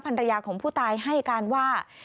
ภรรยาของผู้ตายให้การว่า